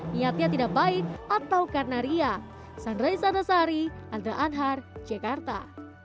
niatnya tidak baik atau karnaria